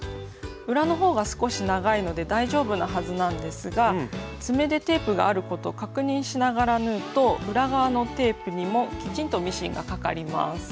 裏の方が少し長いので大丈夫なはずなんですが爪でテープがあることを確認しながら縫うと裏側のテープにもきちんとミシンがかかります。